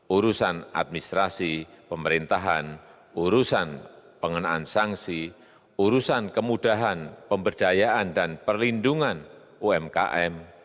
urusan administrasi pemerintahan urusan pengenaan sanksi urusan kemudahan pemberdayaan dan perlindungan umkm